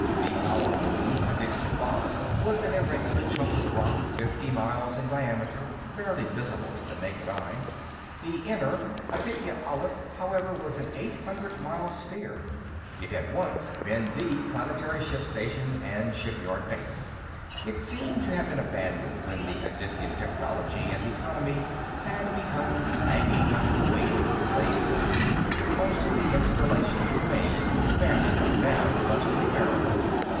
The outer moon, Aditya Ba', was an irregular chunk of rock fifty miles in diameter, barely visible to the naked eye. The inner, Aditya Alif, however, was an eight hundred mile sphere; it had once been the planetary ship station and shipyard base. It seemed to have been abandoned when the Adityan technology and economy had begun sagging under the weight of the slave system. Most of the installations remained, badly run down but repairable.